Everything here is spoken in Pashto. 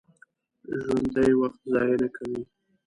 ژوندي وخت ضایع نه کوي